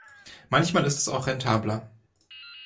Manchmal ist es auch rentabler.